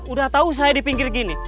udah tahu saya di pinggir gini